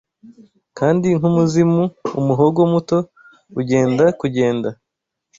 Kandi, nkumuzimu, umuhogo muto ugenda Kugenda